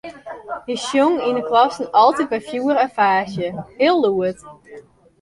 Hy song yn 'e klasse altyd mei fjoer en faasje, heel lûd.